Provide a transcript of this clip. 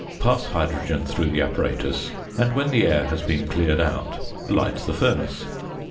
Pass hydrogen through the apparatus, and, when the air has been cleared out, light the furnace.